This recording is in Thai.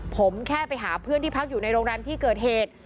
ผมแค่ไปหาเพื่อนที่พักอยู่ในโรงแรมที่เกิดเหตุ